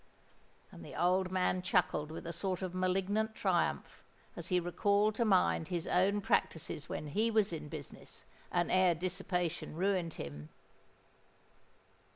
And the old man chuckled with a sort of malignant triumph, as he recalled to mind his own practices when he was in business, and ere dissipation ruined him.